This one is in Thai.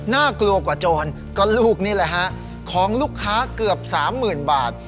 น่ากลัวกว่าโจรก็ลูกนี่แหละฮะของลูกค้าเกือบ๓๐๐๐บาท